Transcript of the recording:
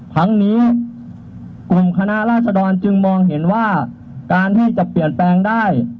ทั้งนี้กลุ่มคณะราษฎรจึงมองเห็นว่าการที่จะเปลี่ยนแปลงได้